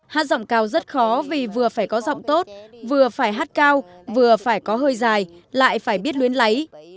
hát giọng cao rất khó vì vừa phải có giọng tốt vừa phải hát cao vừa phải có hơi dài lại phải biết luyến lấy